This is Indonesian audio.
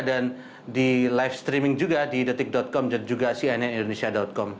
dan di live streaming juga di detik com dan juga cnindonesia com